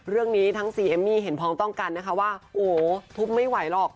เรื่องนี้ทั้งสี่เอมมี่เห็นพร้อมต้องกันนะคะว่าโอ้โหทุบไม่ไหวหรอก